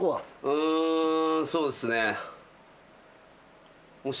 うんそうですね。